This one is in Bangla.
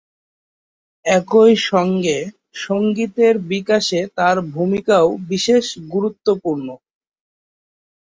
একই সংগে সংগীতের বিকাশে তার ভূমিকাও বিশেষ গুরুত্বপূর্ণ।